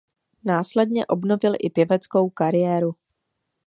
Následně obnovil i pěveckou kariéru.